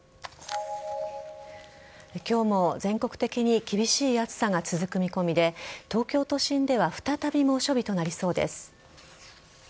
今日も全国的に厳しい暑さが続く見込みで東京都心では再び猛暑日となりそうです。